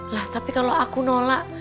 lah tapi kalau aku nolak